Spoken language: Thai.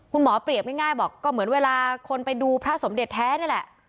เปรียบง่ายบอกก็เหมือนเวลาคนไปดูพระสมเด็จแท้นี่แหละ